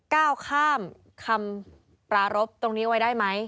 ก้าวข้ามคำปรารบตรงนี้ไว้ได้ไหม